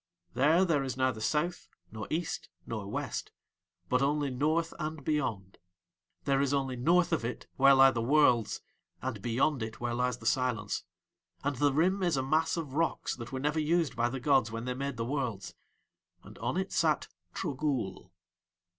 There there is neither South nor East nor West, but only North and Beyond; there is only North of it where lie the Worlds, and Beyond it where lies the Silence, and the Rim is a mass of rocks that were never used by the gods when They made the Worlds, and on it sat Trogool.